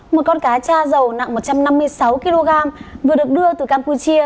một con cá cha dầu nặng một trăm năm mươi sáu kg vừa được đưa từ campuchia